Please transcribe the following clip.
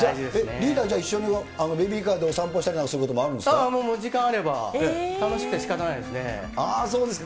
リーダー、一緒にベビーカーでお散歩したりなんかもあるんでもう時間あれば、楽しくてしかたないですね。